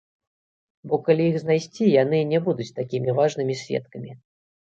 Бо калі іх знайсці, яны не будуць такімі важнымі сведкамі.